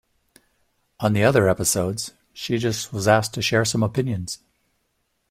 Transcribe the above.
On the other episodes she just was asked to share some opinions.